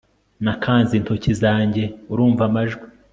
nakanze intoki zanjye, urumva amajwi